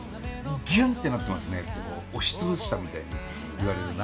「ギュンってなってますね」ってこう押し潰したみたいに言われるな。